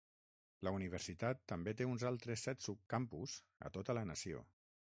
La universitat també té uns altres set subcampus a tota la nació.